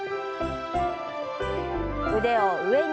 腕を上に。